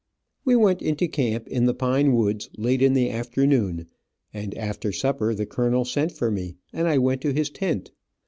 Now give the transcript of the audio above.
We went into camp in the pine woods late in the afternoon, and after supper the colonel sent for me, and I went to his tent.